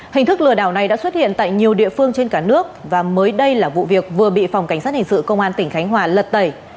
hình thức lừa đảo này đã xuất hiện tại nhiều địa phương trên cả nước và mới đây là vụ việc vừa bị phòng cảnh sát hình sự công an tỉnh khánh hòa lật tẩy